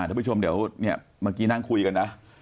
ทุกผู้ชมเดี๋ยวเนี่ยเมื่อกี้นั่งคุยกันนะ